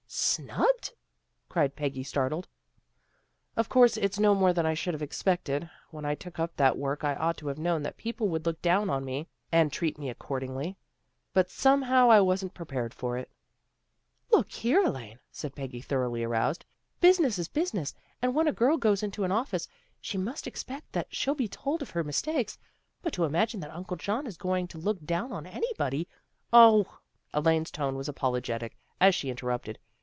" Snubbed? " cried Peggy, startled. " Of course it's no more than I should have expected. When I took up that work, I ought to have known that people would look down on me, and treat me accordingly. But, somehow, I wasn't prepared for it." " Look here, Elaine," said Peggy, thoroughly aroused. " Business is business, and when a girl goes into an office, she must expect that she'll be told of her mistakes. But to imagine that Uncle John is going to look down on anybody '" Oh! " Elaine's tone was apologetic, as she interrupted.